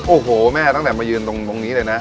โอ้โหแม่ตั้งแต่มายืนตรงนี้เลยนะ